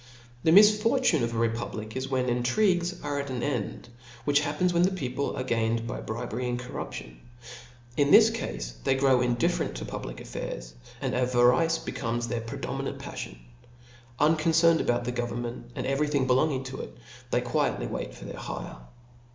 The misfortune of a repub lic is^ when intrigues are at an end ; which hap* pens when the people are gained by bribery and corruption : in this cafe they grow indifferent to pqblic affairs, and avarice becomes their predo ^ ftiinant paCEon. Unconcerned about the govern ment, and every thing belonging to it, they quietly wait for their hire.